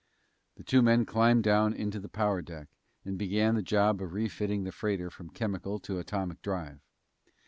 The two men climbed down into the power deck and began the job of refitting the freighter from chemical to atomic drive.